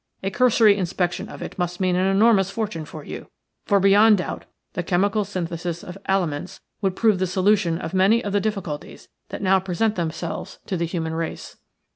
A cursory inspection of it must mean an enormous fortune for you, for beyond doubt the chemical synthesis of aliments would prove the solution of many of the difficulties that now present themselves to the human race."